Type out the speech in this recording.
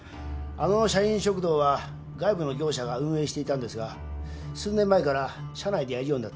あの社員食堂は外部の業者が運営していたんですが数年前から社内でやるようになったんです。